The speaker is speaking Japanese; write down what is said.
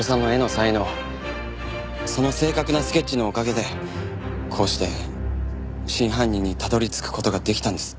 その正確なスケッチのおかげでこうして真犯人にたどり着く事ができたんです。